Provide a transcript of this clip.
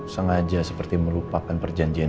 sengaja seperti melupakan perjanjian